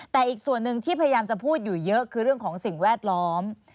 แต่อีกส่วนหนึ่งที่พยายามจะพูดอยู่เยอะคือเรื่องของสิ่งแวดล้อม